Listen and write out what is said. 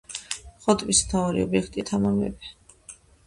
ხოტბის მთავარი ობიექტია თამარ მეფე.